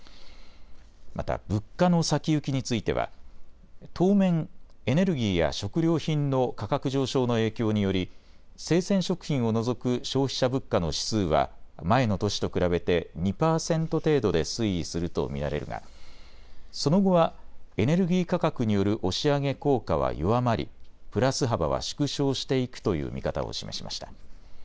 また物価の先行きについては当面、エネルギーや食料品の価格上昇の影響により生鮮食品を除く消費者物価の指数は前の年と比べて２％程度で推移すると見られるがその後はエネルギー価格による押し上げ効果は弱まりプラス幅は縮小していくという見方を示しました。